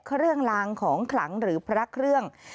เครื่องลางของขลังหรือพระเครื่อง